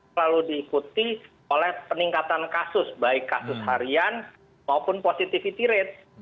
selalu diikuti oleh peningkatan kasus baik kasus harian maupun positivity rate